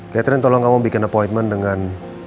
catherine tolong kamu bikin appointment dengan